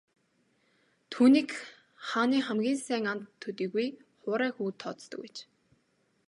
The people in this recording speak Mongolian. Түүнийг хааны хамгийн сайн анд төдийгүй хуурай хүүд тооцдог байж.